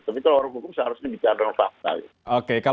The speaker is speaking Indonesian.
tapi kalau orang hukum seharusnya bicara dengan fakta